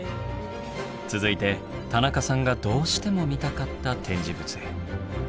続いて田中さんがどうしても見たかった展示物へ。